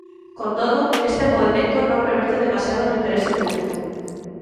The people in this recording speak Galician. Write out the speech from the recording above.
Con todo, este movemento non reverte demasiado no interese público.